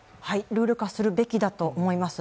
ルール化するべきだと思います。